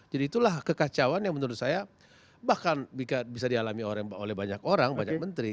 jadi itulah kekacauan yang menurut saya bahkan bisa dialami oleh banyak orang banyak menteri